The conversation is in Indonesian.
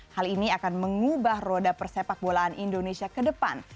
hal ini akan mengubah roda persepak bolaan indonesia ke depan